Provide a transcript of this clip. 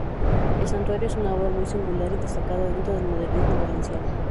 El santuario es una obra muy singular y destacada dentro del modernismo valenciano.